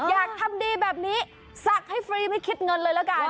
อยากทำดีแบบนี้ศักดิ์ให้ฟรีไม่คิดเงินเลยละกัน